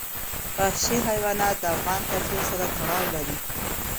وحشي حیوانات د افغان کلتور سره تړاو لري.